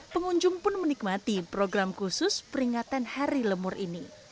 pengunjung pun menikmati program khusus peringatan hari lemur ini